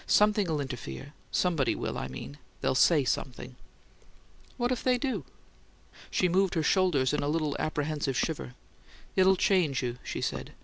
Something'll interfere somebody will, I mean they'll SAY something " "What if they do?" She moved her shoulders in a little apprehensive shiver. "It'll change you," she said.